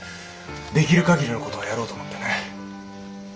できる限りの事はやろうと思ってね。